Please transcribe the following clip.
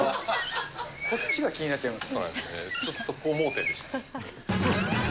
こっちが気になっちゃいます。